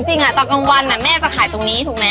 จริงตอนกลางวันแม่จะขายตรงนี้ถูกไหม